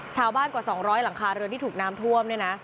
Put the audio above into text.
ชาวบ้านกว่า๒๐๐หลังคาเรือนที่ถูกน้ำท่วม